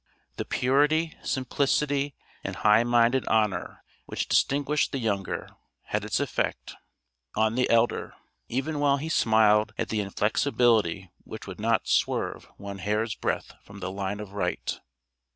The purity, simplicity and high minded honor which distinguished the younger, had its effect on the elder, even while he smiled at the inflexibility which would not swerve one hair's breadth from the line of right.